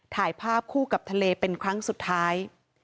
ถ่ายภาพคู่กับทะเลเป็นครั้งสุดท้าย